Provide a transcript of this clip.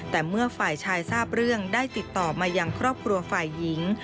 แต่เมื่อฝ่ายชายทราบเรื่องได้ติดต่อมายังครอบครัวฝ่ายหญิง